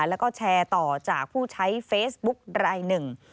แล้วก็แชร์ต่อจากผู้ใช้เฟซบุ๊กรายหนึ่ง